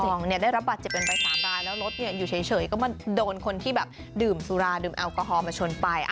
เพราะมันได้รับบัตรเจ็บเป็นไป๓ร้านแล้วรถอยู่เฉยก็มันโดนคนที่แบบดื่มสุราดื่มแอลกอฮอล์มาชนไป